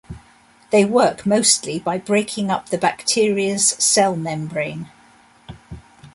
They work mostly by breaking up the bacteria's cell membrane.